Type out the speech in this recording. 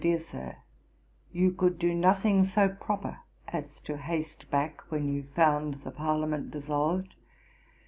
'DEAR SIR, 'You could do nothing so proper as to haste back when you found the Parliament dissolved.